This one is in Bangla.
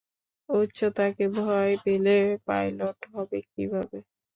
উচ্চতাকে ভয় পেলে পাইলট হবে কীভাবে?